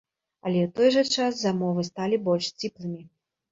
Але, у той жа час, замовы сталі больш сціплымі.